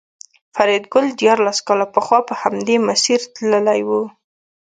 فریدګل دیارلس کاله پخوا په همدې مسیر تللی و